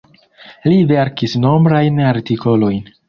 Li verkis nombrajn artikolojn.